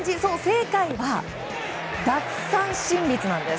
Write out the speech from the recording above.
正解は奪三振率です。